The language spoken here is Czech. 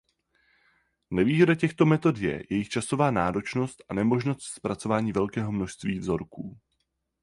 Nevýhoda těchto metod je jejich časová náročnost a nemožnost zpracování velkého množství vzorků.